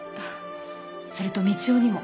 それとみちおにも。